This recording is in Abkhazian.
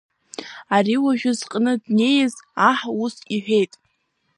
Ари уажәы зыҟны днеиз аҳ ус иҳәеит…